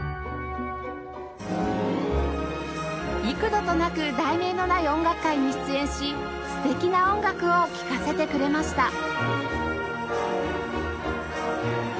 幾度となく『題名のない音楽会』に出演し素敵な音楽を聴かせてくれました